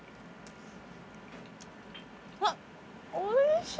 あっおいしい！